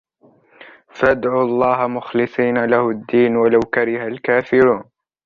فادعوا الله مخلصين له الدين ولو كره الكافرون